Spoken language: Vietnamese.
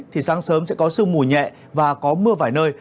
thì sáng sớm sẽ có sương mù nhẹ và có mưa vài nơi